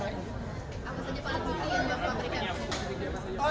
apa saja alat bukti yang telah pak ahok meniapkan